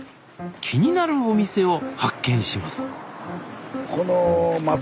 気になるお店を発見します